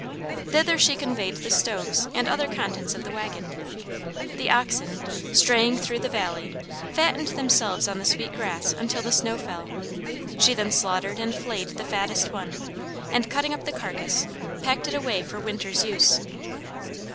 Thither she conveyed the stoves and other contents of the wagon. The oxen, straying through the valley, fattened themselves on the sweet grass until the snow fell; she then slaughtered and flayed the fattest one, and cutting up the carcase, packed it away for winter's use.